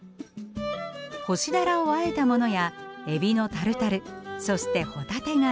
干しダラをあえたものやエビのタルタルそしてホタテ貝。